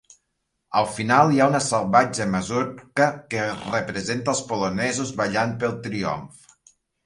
Al final hi ha una salvatge masurca que representa als polonesos ballant pel triomf.